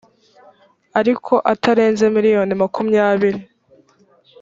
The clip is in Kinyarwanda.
ariko atarenze miliyoni makumyabiri